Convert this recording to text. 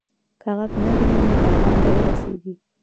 که غږ نرم وي، نو پیغام به ورسیږي.